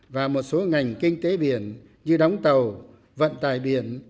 và một số ngành kinh tế biển như đóng tàu vận tài biển